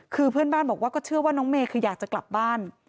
คือเพื่อนบ้านบอกว่าก็เชื่อว่าน้องเมย์คืออยากจะกลับบ้าน